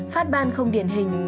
phát ban không điển hình